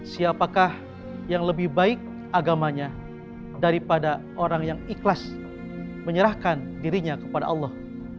siapakah yang lebih baik agamanya daripada orang yang ikhlas menyerahkan dirinya kepada allah